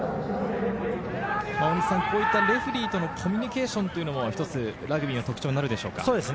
こういったレフェリーとのコミュニケーションというのも一つ、ラグビーの特徴にもなるでしょうか。